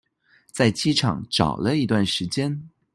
在機場找了一段時間